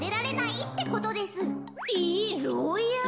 えっろうや！